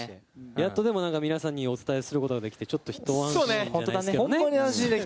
やっとでもなんか皆さんにお伝えすることができて、ちょっとそうね、本当だね。